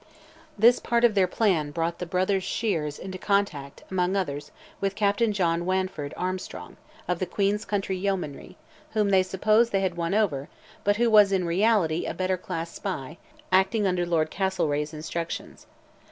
This part of their plan brought the brothers Sheares into contact, among others, with Captain John Warneford Armstrong, of the Queen's County Yeomanry, whom they supposed they had won over, but who was, in reality, a better class spy, acting under Lord Castlereagh's instructions.